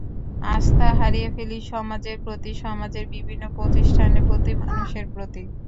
আস্থা হারিয়ে ফেলি সমাজের প্রতি, সমাজের বিভিন্ন প্রতিষ্ঠানের প্রতি, মানুষের প্রতি।